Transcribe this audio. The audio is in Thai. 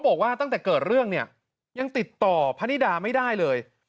บอกว่าตั้งแต่เกิดเรื่องเนี่ยยังติดต่อพนิดาไม่ได้เลย